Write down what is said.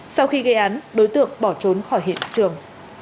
sau khi gây án đối tượng bỏ trốn khỏi hiện trường